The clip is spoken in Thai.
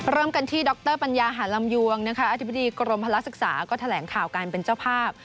เริ่มกันที่ดรปัญญาหาลำยวงนะคะอธิบดีกรมพลักษึกษาก็แถลงข่าวการเป็นเจ้าภาพ